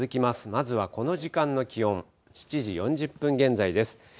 まずはこの時間の気温、７時４０分現在です。